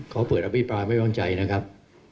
เขาเปิดอภิปรายไม่วางใจนะครับ